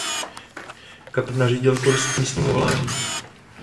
Kapitán ihned nařídí kurz k místu volání.